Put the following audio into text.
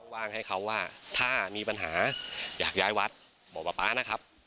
ว่างให้เขาว่าถ้ามีปัญหาอยากย้ายวัดบอกป๊าป๊านะครับ